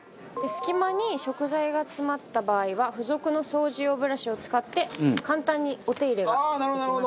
隙間に食材が詰まった場合は付属の掃除用ブラシを使って簡単にお手入れができます。